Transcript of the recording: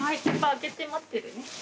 開けて待ってるね。